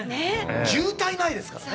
渋滞がないですからね。